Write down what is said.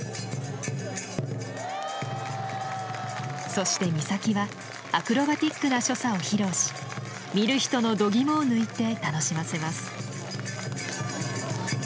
そして駈仙はアクロバティックな所作を披露し見る人のどぎもを抜いて楽しませます。